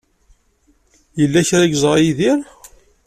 Yella kra ay yeẓra Yidir?